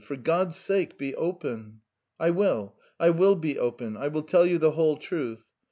" For God's sake, be frank! "" I will, I will be frank. I will tell you the whole truth.